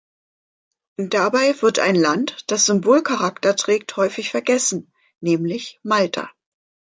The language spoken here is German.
Dabei wird ein Land, das Symbolcharakter trägt, häufig vergessen, nämlich Malta.